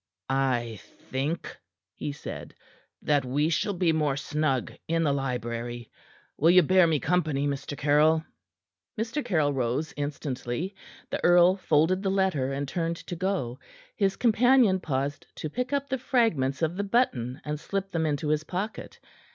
"I think," he said, "that we shall be more snug in the library. Will you bear me company, Mr. Caryll?" Mr. Caryll rose instantly. The earl folded the letter, and turned to go. His companion paused to pick up the fragments of the button and slip them into his pocket.